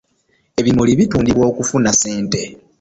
Ebimuli bitundibwa okufuna ssente.